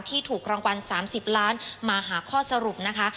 ถูกรางวัล๓๐ล้านมาหาข้อสรุปนะคะ